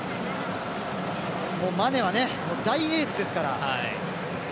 マネは大エースですから。